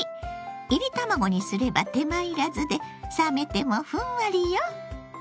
いり卵にすれば手間いらずで冷めてもふんわりよ。